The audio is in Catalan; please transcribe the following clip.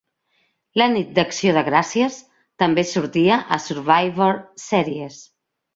La nit d'acció de gràcies, també sortia a Survivor Series.